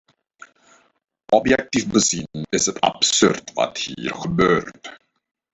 Objectief bezien is het absurd wat hier gebeurt.